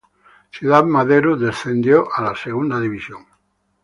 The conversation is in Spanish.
Ciudad Madero descendió a la Segunda División.